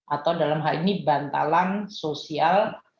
atau dalam hal ini bantalan sosial